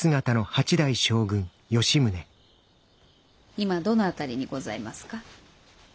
今どの辺りにございますか？